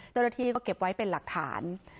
โดยทีก็เก็บไว้เป็นหลักฐาน